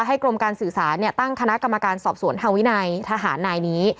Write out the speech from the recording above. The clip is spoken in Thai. กรมการสื่อสารตั้งคณะกรรมการสอบสวนทางวินัยทหารนายนี้